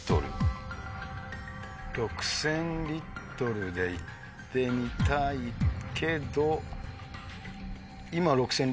６０００で行ってみたいけど。